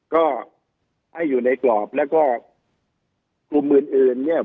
ก็ให้อยู่ในกรอบแล้วก็ภูมิอื่นเนี่ย